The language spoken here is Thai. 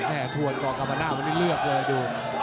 แท่ถวนก่อกรรมน่าวันนี้เลือกเลยดู